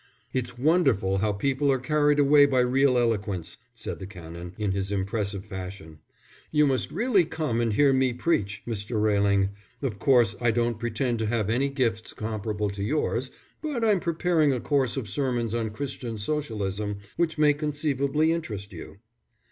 "It's wonderful how people are carried away by real eloquence," said the Canon, in his impressive fashion. "You must really come and hear me preach, Mr. Railing. Of course I don't pretend to have any gifts comparable to yours, but I'm preparing a course of sermons on Christian Socialism which may conceivably interest you."